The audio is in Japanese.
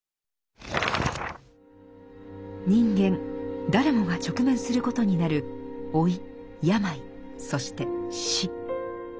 人間誰もが直面することになる老い病そして死。